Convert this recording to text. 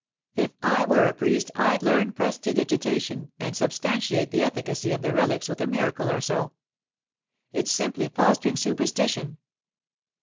If I were a priest I'd learn prestidigitation, and substantiate the efficacy of the relics with a miracle or so.' 'It's simply fostering superstition.